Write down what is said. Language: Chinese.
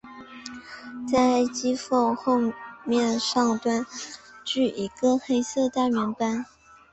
在鳃缝后面上端据一个黑色大圆斑。